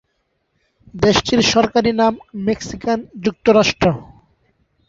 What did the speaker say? দেশটির সরকারি নাম মেক্সিকান যুক্তরাষ্ট্র।